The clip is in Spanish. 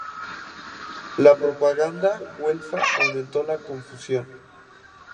La propaganda güelfa aumentó la confusión.